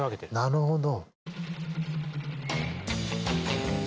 なるほど。